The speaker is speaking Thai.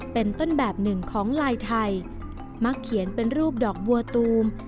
เป็นต้นแบบหนึ่งของลายไทยมักเขียนเป็นรูปดอกบัวตูม